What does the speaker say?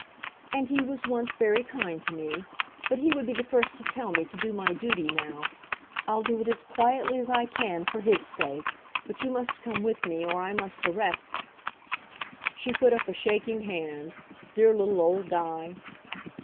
"And he was once very kind to me. But he would be the first to tell me to do my duty now. I'll do it as quietly as I can for his sake. But you must come with me or I must arrest " She put up a shaking hand. Dear little old guy!